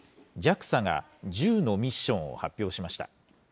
ＪＡＸＡが１０のミッションを発表しました。